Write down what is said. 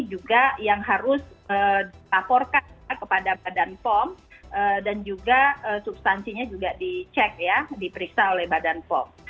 juga yang harus dilaporkan kepada badan pom dan juga substansinya juga dicek ya diperiksa oleh badan pom